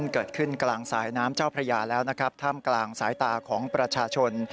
เกิดขึ้นกลางสายน้ำเจ้าพระยาแล้วนะครับท่ามกลางสายตาของประชาชน